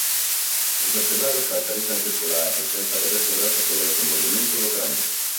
Os vertebrados caracterízanse pola presenza de vértebras e polo desenvolvemento do cranio.